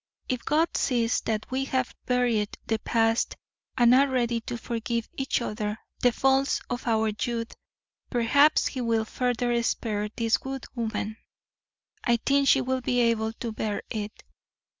If God sees that we have buried the past and are ready to forgive each other the faults of our youth, perhaps He will further spare this good woman. I think she will be able to bear it.